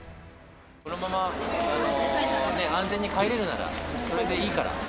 このままね、安全に帰れるなら、それでいいから。